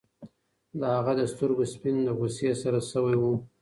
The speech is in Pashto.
د هغه د سترګو سپین له غوسې سره شوي وو.